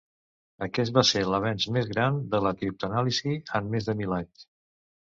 Aquest va ser l'avenç més gran de la criptoanàlisi en més de mil anys.